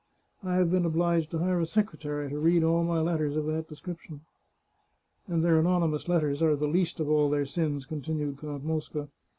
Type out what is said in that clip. I have been obliged to hire a secretary to read all my letters of that description." " And their anonymous letters are the least of all their sins," continued Count Mosca.